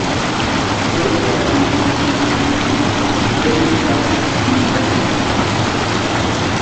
Close proximity of the two institutions clearly strengthens each collection.